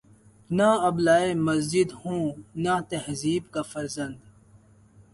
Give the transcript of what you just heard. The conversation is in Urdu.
نے ابلۂ مسجد ہوں نہ تہذیب کا فرزند